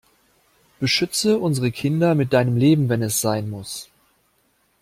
Beschütze unsere Kinder mit deinem Leben wenn es sein muss.